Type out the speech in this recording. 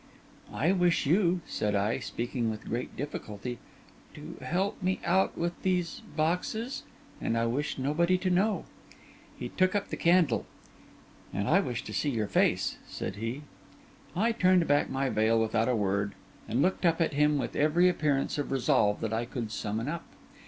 'I wish you,' said I, speaking with great difficulty, 'to help me out with these boxes—and I wish nobody to know.' He took up the candle. 'And I wish to see your face,' said he. I turned back my veil without a word, and looked at him with every appearance of resolve that I could summon up.